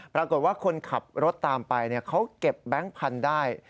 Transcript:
ปรากฏว่าคนขับรถตามไปเขาเก็บแบงค์พันธุ์ได้